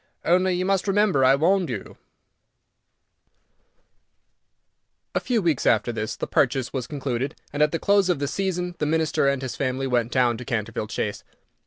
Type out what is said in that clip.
Only you must remember I warned you." [Illustration: MISS VIRGINIA E. OTIS] A few weeks after this, the purchase was concluded, and at the close of the season the Minister and his family went down to Canterville Chase.